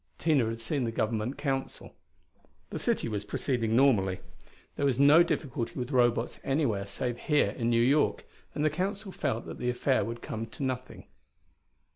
Tina had seen the Government Council. The city was proceeding normally. There was no difficulty with Robots anywhere save here in New York, and the council felt that the affair would come to nothing.